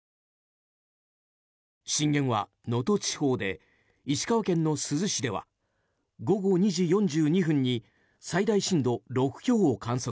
震源は能登地方で石川県の珠洲市では午後２時４２分に最大震度６強を観測。